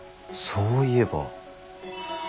そういえば。